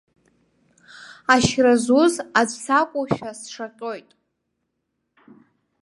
Ашьра зуз аӡә сакәушәа сшаҟьоит.